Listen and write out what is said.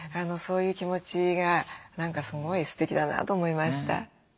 そういう気持ちが何かすごいすてきだなと思いました。